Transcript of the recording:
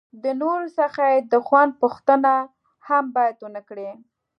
د نورو څخه یې د خوند پوښتنه هم باید ونه کړي.